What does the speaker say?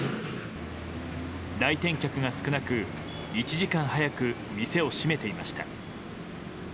来店客が少なく１時間早く店を閉めていました。